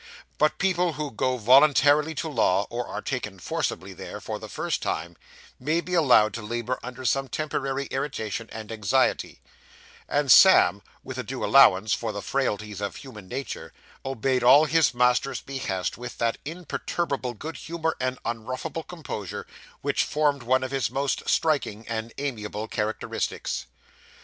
But people who go voluntarily to law, or are taken forcibly there, for the first time, may be allowed to labour under some temporary irritation and anxiety; and Sam, with a due allowance for the frailties of human nature, obeyed all his master's behests with that imperturbable good humour and unruffable composure which formed one of his most striking and amiable characteristics.